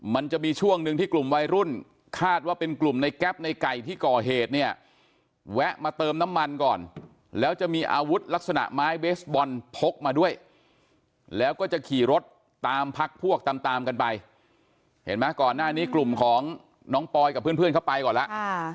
มันจะมีช่วงหนึ่งที่กลุ่มวัยรุ่นคาดว่าเป็นกลุ่มในแก๊ปในไก่ที่ก่อเหตุเนี่ยแวะมาเติมน้ำมันก่อนแล้วจะมีอาวุธลักษณะไม้เบสบอลพกมาด้วยแล้วก็จะขี่รถตามพักพวกตามตามกันไปเห็นไหมก่อนหน้านี้กลุ่มของน้องปอยกับเพื่อนเข้าไปก่อนแล้ว